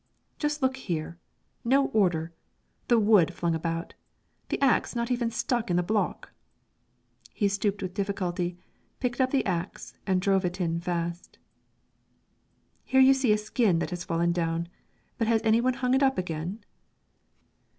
"Just look here. No order: the wood flung about, the axe not even stuck in the block." He stooped with difficulty, picked up the axe, and drove it in fast. "Here you see a skin that has fallen down; but has any one hung it up again?"